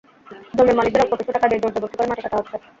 জমির মালিকদের অল্প কিছু টাকা দিয়ে জোরজবরদস্তি করে মাটি কাটা হচ্ছে।